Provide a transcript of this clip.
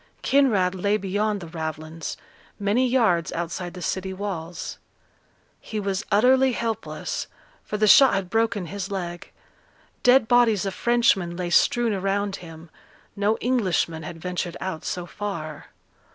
Kinraid lay beyond the ravelins, many yards outside the city walls. He was utterly helpless, for the shot had broken his leg. Dead bodies of Frenchmen lay strewn around him; no Englishman had ventured out so far.